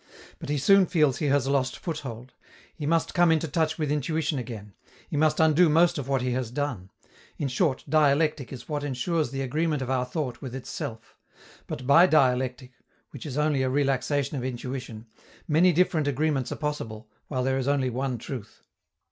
But he soon feels he has lost foothold; he must come into touch with intuition again; he must undo most of what he has done. In short, dialectic is what ensures the agreement of our thought with itself. But by dialectic which is only a relaxation of intuition many different agreements are possible, while there is only one truth.